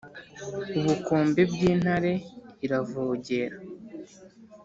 ubukombe bw’intare iravogera